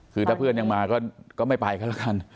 คือถ้าเพื่อนยังมาก็ไม่ไปก็แล้วกัน